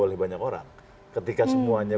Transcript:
oleh banyak orang ketika semuanya